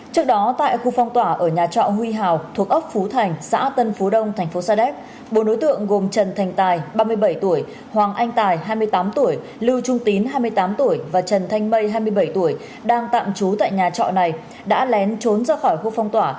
trước đó tại khu phong tỏa ở nhà trọ huy hào thuộc ấp phú thành xã tân phú đông thành phố sa đéc bốn đối tượng gồm trần thành tài ba mươi bảy tuổi hoàng anh tài hai mươi tám tuổi lưu trung tín hai mươi tám tuổi và trần thanh mây hai mươi bảy tuổi đang tạm trú tại nhà trọ này đã lén trốn ra khỏi khu phong tỏa